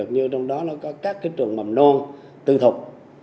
nhưng trong đó nó có các cái trường mầm non tư thuộc